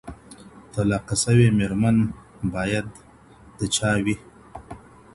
طلاقه سوې ميرمن باید د چا وي؟